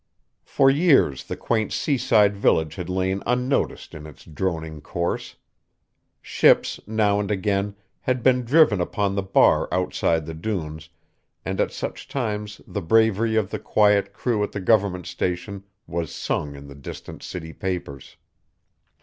For years the quaint seaside village had lain unnoticed in its droning course. Ships, now and again, had been driven upon the bar outside the dunes, and at such times the bravery of the quiet crew at the Government Station was sung in the distant city papers.